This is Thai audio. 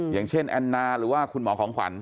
อย่างเช่นแอนนาหรือว่าคุณหมอของขวัญ